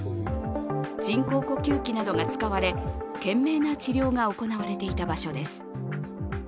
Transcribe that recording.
人工呼吸器などが使われ懸命な治療が行われていた場所です。